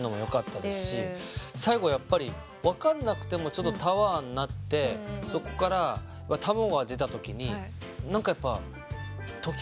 最後やっぱり分かんなくてもタワーになってそこから卵が出た時に何かやっぱあっ！